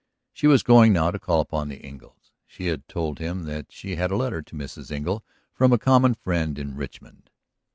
She was going now to call upon the Engles. She had told him that she had a letter to Mrs. Engle from a common friend in Richmond.